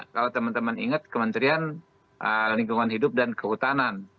kalau teman teman ingat kementerian lingkungan hidup dan kehutanan